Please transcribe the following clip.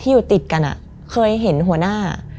อยู่ติดกันเคยเห็นหัวหน้า